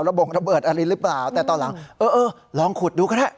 บงระเบิดอะไรหรือเปล่าแต่ตอนหลังเออเออลองขุดดูก็ได้